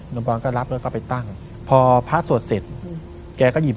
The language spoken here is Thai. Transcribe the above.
บอลก็รับแล้วก็ไปตั้งพอพระสวดเสร็จแกก็หยิบ